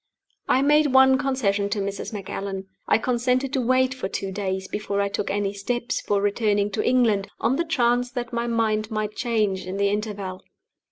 I made one concession to Mrs. Macallan I consented to wait for two days before I took any steps for returning to England, on the chance that my mind might change in the interval.